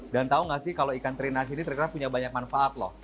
dan tahu nggak sih kalau ikan teri nasi ini terkira punya banyak manfaat loh